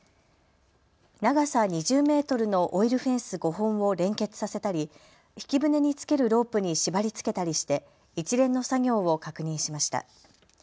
長さ２０メートルのオイルフェンス５本を連結させたり、引き船につけるロープに縛りつけたりして一連の作業を確認しました。